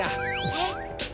えっ？